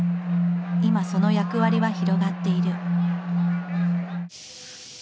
今その役割は広がっている。